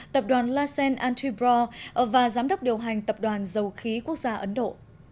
tập đoàn lassen antibro và giám đốc điều hành tập đoàn dầu khí quốc gia ấn độ